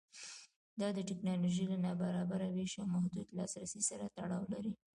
دا د ټکنالوژۍ له نابرابره وېش او محدود لاسرسي سره تړاو لري.